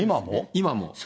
今も。